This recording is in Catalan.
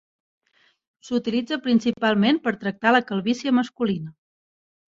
S'utilitza principalment per tractar la calvície masculina.